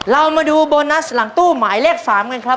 เรามาดูโบนัสหลังตู้ใหม่เลข๓ที่เป็น